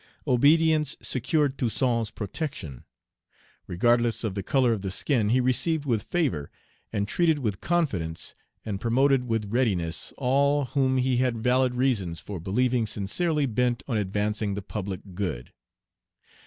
Obedience secured Toussaint's protection. Regardless of the color of the skin, he received with favor, and treated with confidence, and promoted with readiness, all whom he had valid reasons for believing sincerely bent on advancing the public good.